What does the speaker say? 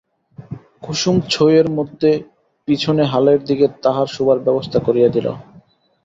কুসুম ছইয়ের মধ্যে পিছনে হালের দিকে তাহার শোবার ব্যবস্থা করিয়া দিল।